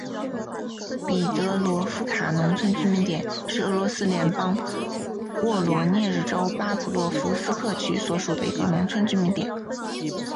彼得罗夫卡农村居民点是俄罗斯联邦沃罗涅日州巴甫洛夫斯克区所属的一个农村居民点。